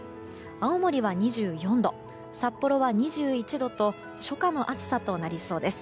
青森は２４度、札幌は２１度と初夏の暑さとなりそうです。